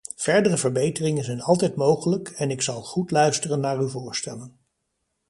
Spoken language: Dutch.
Verdere verbeteringen zijn altijd mogelijk, en ik zal goed luisteren naar uw voorstellen.